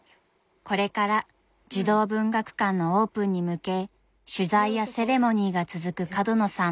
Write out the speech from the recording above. これから児童文学館のオープンに向け取材やセレモニーが続く角野さん。